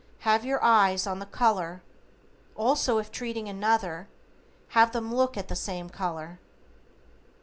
Have your eyes on the color, also if treating another, have them look at the same color.